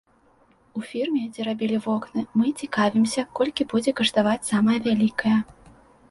У фірме, дзе рабілі вокны, мы цікавімся, колькі будзе каштаваць самая вялікае.